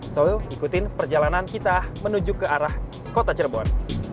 so yuk ikutin perjalanan kita menuju ke arah kota cirebon